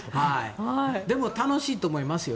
でも楽しいと思いますよ